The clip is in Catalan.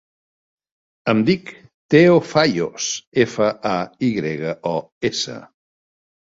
Em dic Teo Fayos: efa, a, i grega, o, essa.